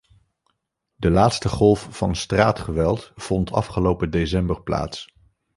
De laatste golf van straatgeweld vond afgelopen december plaats.